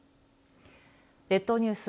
列島ニュース